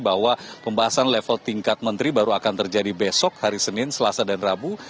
bahwa pembahasan level tingkat menteri baru akan terjadi besok hari senin selasa dan rabu